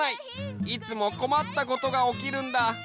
いつもこまったことがおきるんだ。